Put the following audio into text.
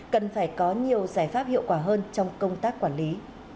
cần phải có nhiều giải pháp hiệu quả hơn trong công tác quản lý